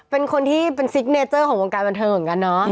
เป็นคนที่เป็นซิกเนเจอร์ของวงการบันเทิงเหมือนกันเนาะ